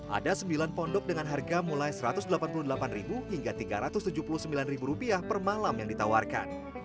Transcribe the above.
ada sembilan pondok dengan harga mulai rp satu ratus delapan puluh delapan hingga rp tiga ratus tujuh puluh sembilan per malam yang ditawarkan